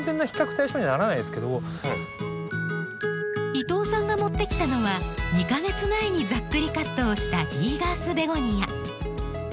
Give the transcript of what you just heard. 伊藤さんが持ってきたのは２か月前にざっくりカットをしたリーガースベゴニア。